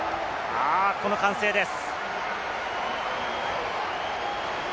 この歓声です。